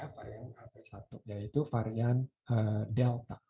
varian hp satu yaitu varian delta